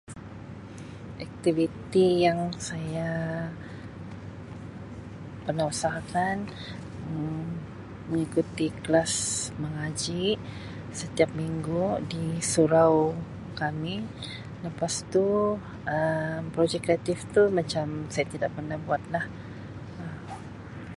Aktiviti yang saya pernah usahakan mengikuti kelas mengaji setiap minggu di surau kami lepas tu Um projek kreatif tu macam saya tidak pernah buatlah Um.